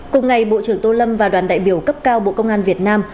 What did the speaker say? cùng ngày bộ trưởng tô lâm và đoàn đại biểu cấp cao bộ công an việt nam